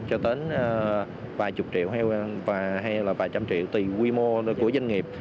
cho tới vài chục triệu hay là vài trăm triệu tùy quy mô của doanh nghiệp